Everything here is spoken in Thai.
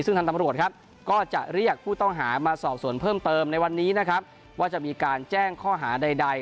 ซึ่งทางตำรวจครับก็จะเรียกผู้ต้องหามาสอบส่วนเพิ่มเติมในวันนี้นะครับว่าจะมีการแจ้งข้อหาใด